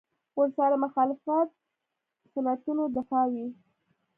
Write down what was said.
ورسره مخالفت سنتونو دفاع وي.